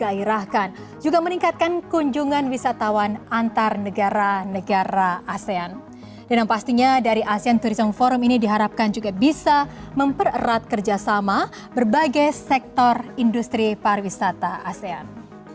menggairahkan juga meningkatkan kunjungan wisatawan antar negara negara asean dan yang pastinya dari asean tourism forum ini diharapkan juga bisa mempererat kerjasama berbagai sektor industri pariwisata asean